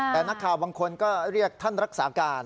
แต่นักข่าวบางคนก็เรียกท่านรักษาการ